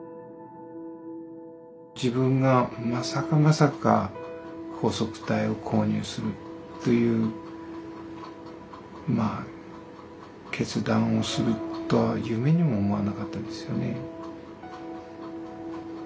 自分がまさかまさか拘束帯を購入するという決断をするとは夢にも思わなかったですよね。